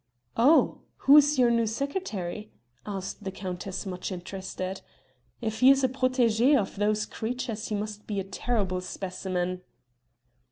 "Oh! who is our new secretary?" asked the countess much interested. "If he is a protégé of those creatures he must be a terrible specimen."